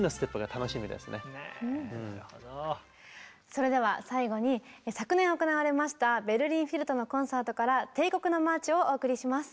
それでは最後に昨年行われましたベルリン・フィルとのコンサートから「帝国のマーチ」をお送りします。